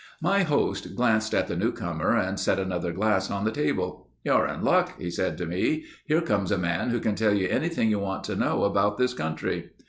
My host glanced at the newcomer and set another glass on the table, "You're in luck," he said to me. "Here comes a man who can tell you anything you want to know about this country."